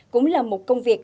cũng là một công việc